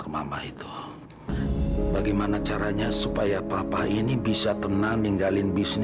mama papa masuk aja masuk